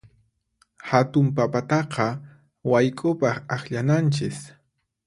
Hatun papataqa wayk'upaq akllananchis.